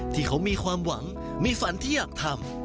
ที่เขามีความหวังมีฝันที่อยากทำ